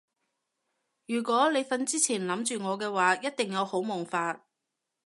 如果你瞓之前諗住我嘅話一定有好夢發